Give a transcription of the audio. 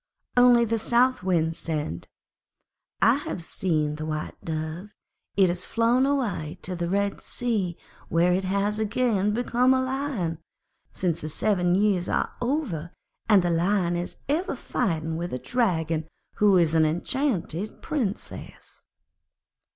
Only the South Wind said, 'I have seen the White Dove. It has flown away to the Red Sea, where it has again become a Lion, since the seven years are over; and the Lion is ever fighting with a Dragon who is an enchanted Princess.'